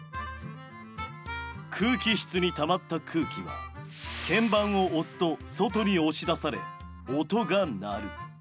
空気室にたまった空気は鍵盤を押すと外に押し出され音が鳴る。